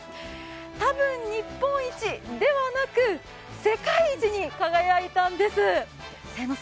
たぶん日本一ではなくて、世界一に輝いたんです。